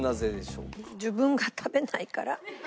自分が食べないから。